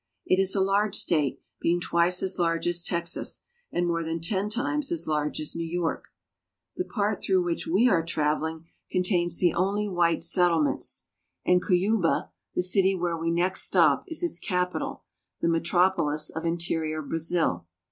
It is a large state, being twice as large as Texas and more than ten times as large as New York. The part through which we are traveling 246 BRAZIL. contains the only white settlements, and Cuyaba (coo ya ba'), the city where we next stop, is its capital, the metropolis of interior Brazil.